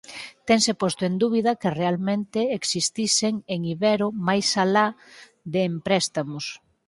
Tense posto en dúbida que realmente existisen en ibero máis alá de en préstamos.